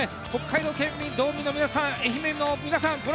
北海道民の皆さん、愛媛の皆さん